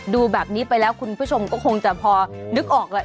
ดูแบบนี้ไปแล้วคุณผู้ชมก็คงจะพอนึกออกแหละ